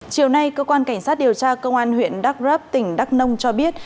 chiều nay cơ quan cảnh sát điều tra công an huyện đắk rấp tỉnh đắk nông cho biết